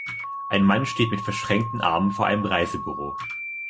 Ein Mann steht mit verschränkten Armen vor einem Reisebüro.